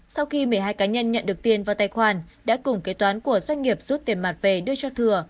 sau khi một mươi hai cá nhân nhận được tiền vào tài khoản đã cùng kế toán của doanh nghiệp rút tiền mặt về đưa cho thừa